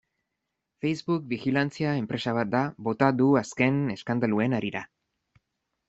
Facebook bijilantzia enpresa bat da, bota du azken eskandaluen harira.